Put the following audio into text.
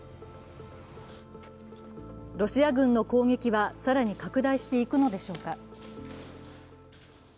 ロシア軍の攻撃は更に拡大していくのでしょうか。